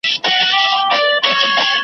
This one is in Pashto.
اوس خو راغلی یمه پیره ستنېدلای نه سم .